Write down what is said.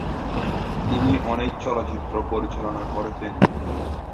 তিনি অনেক চলচ্চিত্র পরিচালনা করেছেন।